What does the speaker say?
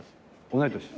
同い年。